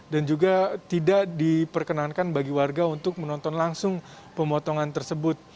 dan juga tidak diperkenankan bagi warga untuk menonton langsung pemotongan tersebut